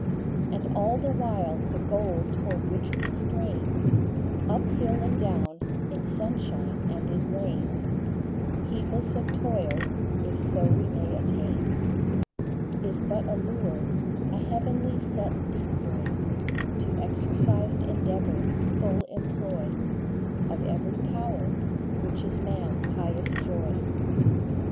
And all the while the goal toward which we strain Up hill and down, in sunshine and in rain, Heedless of toil, if so we may attain Is but a lure, a heavenly set decoy To exercised endeavor, full employ Of every power, which is man s highest joy.